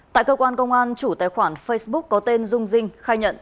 tại cơ quan công an chủ tài khoản facebook có tên dung dinh khai nhận